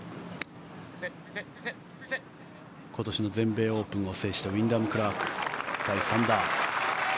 今年の全米オープンを制したウィンダム・クラーク、第３打。